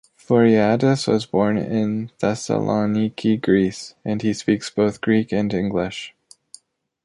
Voreadis was born in Thessaloniki, Greece, and he speaks both Greek and English.